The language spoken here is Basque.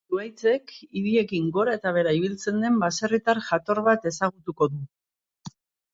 Zuhaitzek idiekin gora eta behera ibiltzen den baserritar jator bat ezagutuko du.